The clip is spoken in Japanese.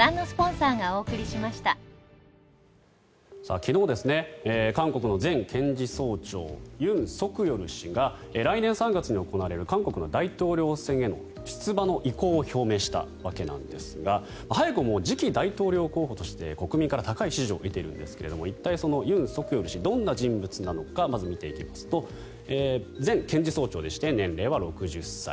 昨日、韓国の前検事総長ユン・ソクヨル氏が来年３月に行われる韓国の大統領選への出馬の意向を表明したわけなんですが早くも次期大統領候補として国民から高い支持を得ているんですが一体、そのユン・ソクヨル氏どんな人物なのかまず見ていきますと前検事総長でして年齢は６０歳。